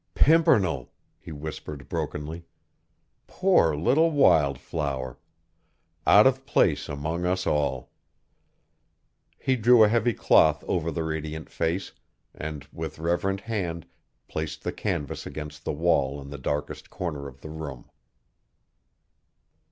"Pimpernel," he whispered brokenly, "poor little wild flower, out of place among us all!" He drew a heavy cloth over the radiant face, and with reverent hand placed the canvas against the wall in the darkest corner of the room.